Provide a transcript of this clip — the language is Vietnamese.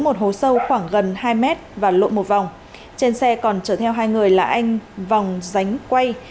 một hồ sâu khoảng gần hai m và lộ một vòng trên xe còn chở theo hai người là anh vòng giánh quay